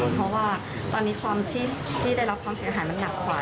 เพราะว่าตอนนี้ความที่ได้รับความเสียหายมันหนักกว่า